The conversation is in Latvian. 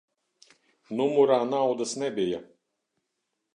Numurā naudas nebija?